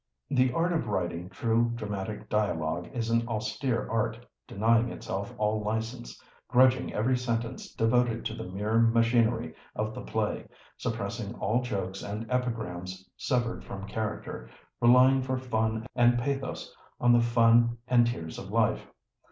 The art of writing true dramatic dialogue is an austere art, denying itself all license, grudging every sentence devoted to the mere machinery of the play, suppressing all jokes and epigrams severed from character, relying for fun and pathos on the fun and tears of life.